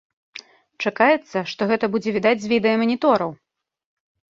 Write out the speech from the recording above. Чакаецца, што гэта будзе відаць з відэаманітораў!